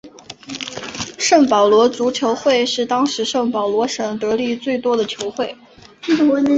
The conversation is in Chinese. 圣保罗足球会是当时圣保罗省得利最多的球会。